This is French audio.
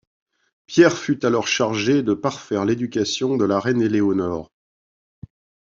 Pierre fut alors chargé de parfaire l'éducation de la reine Éléonore.